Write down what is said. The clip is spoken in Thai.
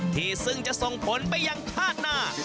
ที่ซึ่งจะส่งผลไปยังชาติหน้า